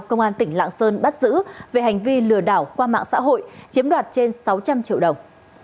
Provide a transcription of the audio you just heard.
công an tỉnh lạng sơn bắt giữ về hành vi lừa đảo qua mạng xã hội chiếm đoạt trên sáu trăm linh triệu đồng